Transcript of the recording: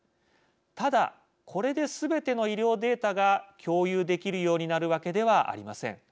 ただこれですべての医療データが共有できるようになるわけではありません。